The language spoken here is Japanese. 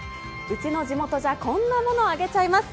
うちの地元じゃこんなもの揚げちゃいます